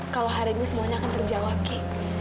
kalau hari ini semuanya akan terjawab ki